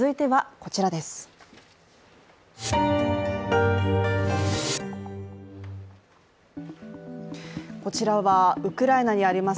こちらはウクライナにあります